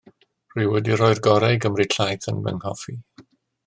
Rwy wedi rhoi'r gorau i gymryd llaeth yn fy nghoffi.